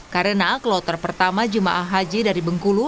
karena kloter pertama jemaah haji dari bengkulu